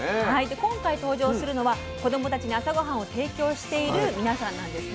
で今回登場するのは子どもたちに朝ごはんを提供している皆さんなんです。